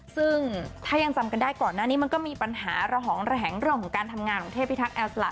ซึ่งถ้ายังจำกันได้ก่อนหน้านี้มันก็มีปัญหาระหองระแหงเรื่องของการทำงานของเทพิทักษ์แอลสละ